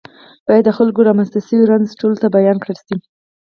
باید د خلکو رامنځته شوی رنځ ټولو ته بیان کړل شي.